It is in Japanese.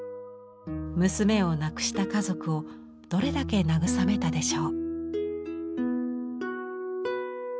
娘を亡くした家族をどれだけ慰めたでしょう。